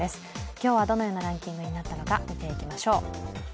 今日はどのようなランキングになったのか見ていきましょう。